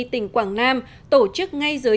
tỉnh quảng nam tổ chức ngay dưới